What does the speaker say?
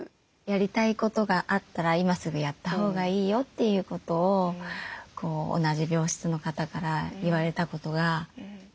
やりたいことがあったら今すぐやったほうがいいよっていうことを同じ病室の方から言われたことがずっと支えになってる。